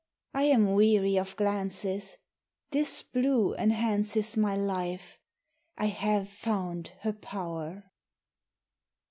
I am weary of glances ; This blue enhances My life : I have found her power.